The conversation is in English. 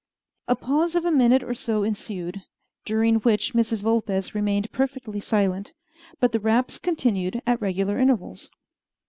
A pause of a minute or so ensued, during which Mrs. Vulpes remained perfectly silent, but the raps continued at regular intervals.